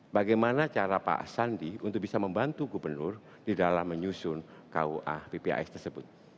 bagaimana cara pak sandi untuk bisa membantu gubernur di dalam menyusun kua ppas tersebut